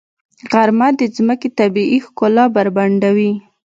غرمه د ځمکې طبیعي ښکلا بربنډوي.